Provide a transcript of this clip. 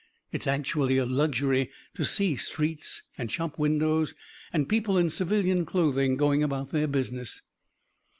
It's actually a luxury to see streets and shop windows, and people in civilian clothing, going about their business."